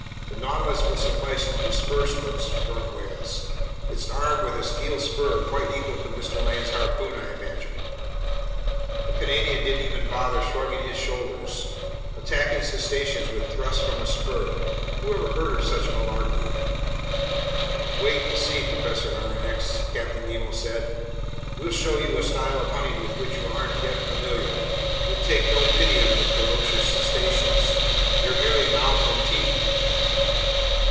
The Nautilus will suffice to disperse these sperm whales. It's armed with a steel spur quite equal to Mr. Land's harpoon, I imagine." The Canadian didn't even bother shrugging his shoulders. Attacking cetaceans with thrusts from a spur! Who ever heard of such malarkey! "Wait and see, Professor Aronnax," Captain Nemo said. "We'll show you a style of hunting with which you aren't yet familiar. We'll take no pity on these ferocious cetaceans. They're merely mouth and teeth!"